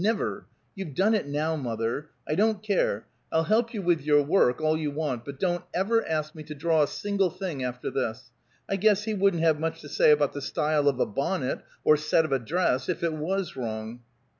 Never! You've done it now, mother! I don't care! I'll help you with your work, all you want, but don't ever ask me to draw a single thing after this. I guess he wouldn't have much to say about the style of a bonnet, or set of a dress, if it was wrong!"